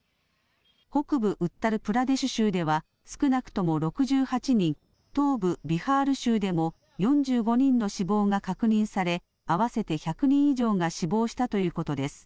北部ウッタルプラデシュ州では少なくとも６８人、東部ビハール州でも４５人の死亡が確認され合わせて１００人以上が死亡したということです。